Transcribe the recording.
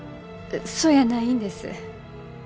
あそやないんです。